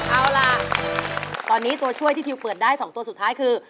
เอาล่ะตอนนี้ตัวช่วยที่ทิวเปิดได้๒ตัวสุดท้ายคือ